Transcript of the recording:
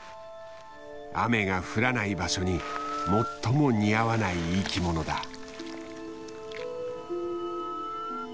雨が降らない場所に最も似合わない生きものだ。